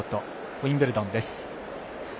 ウィンブルドンです。